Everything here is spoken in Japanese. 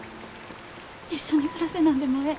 一緒に暮らせなんでもええ。